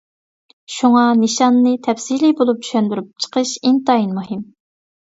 شۇڭا نىشاننى تەپسىلىي بولۇپ چۈشەندۈرۈپ چىقىش ئىنتايىن مۇھىم.